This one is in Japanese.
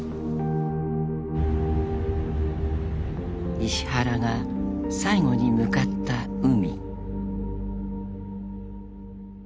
［石原が最後に向かった海］